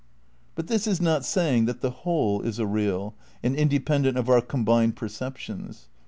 But this is not saying that the whole is a real, and in dependent of our combined perceptions.